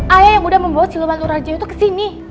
ayah yang udah membawa seluman ular jayu tuh kesini